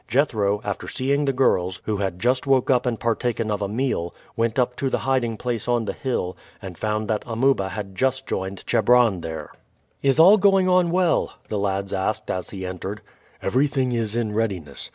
Jethro, after seeing the girls, who had just woke up and partaken of a meal, went up to the hiding place on the hill and found that Amuba had just joined Chebron there. "Is all going on well?" the lads asked as he entered. "Everything is in readiness.